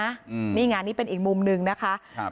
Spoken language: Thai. อืมนี่งานนี้เป็นอีกมุมหนึ่งนะคะครับ